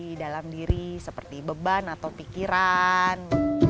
di dalam diri seperti beban atau pikiran